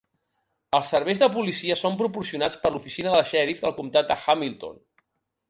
Els serveis de policia són proporcionats per l'Oficina del Xèrif del Comtat de Hamilton